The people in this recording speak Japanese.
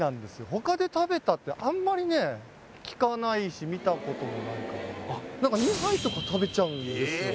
他で食べたってあんまりね聞かないし見たこともないかな何か２杯とか食べちゃうんですよ